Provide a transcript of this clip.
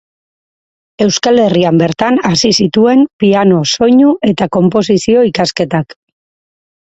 Euskal Herrian bertan hasi zituen piano, soinu eta konposizio ikasketak.